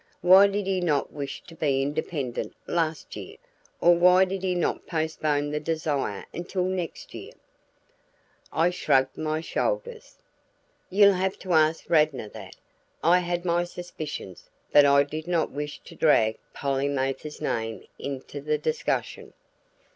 Why did he not wish to be independent last year? Or why did he not postpone the desire until next year?" I shrugged my shoulders. "You'll have to ask Radnor that." I had my own suspicions, but I did not wish to drag Polly Mathers's name into the discussion.